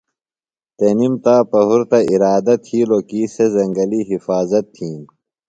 تنِم تا پُہرتہ اِرادہ تِھیلوۡ کی سےۡ زنگلی حِفاظت تِھین۔